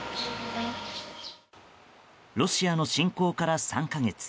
ロシアの侵攻から３か月。